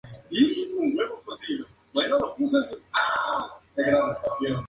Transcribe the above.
Mar-Vell, sin embargo, logra derrotarlo.